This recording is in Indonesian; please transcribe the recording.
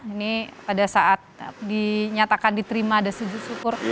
ini pada saat dinyatakan diterima ada sujud syukur